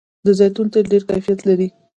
د زیتون تېل ډیر کیفیت لري.